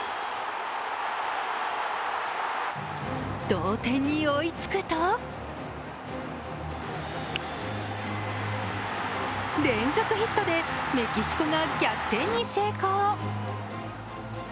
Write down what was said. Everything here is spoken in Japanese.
同点に追いつくと、連続ヒットでメキシコが逆転に成功。